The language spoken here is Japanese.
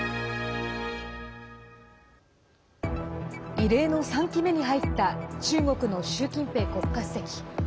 異例の３期目に入った中国の習近平国家主席。